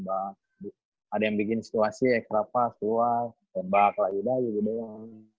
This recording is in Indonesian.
ada yang bikin situasi ya kerap pas luas tembak lagi lagi gitu doang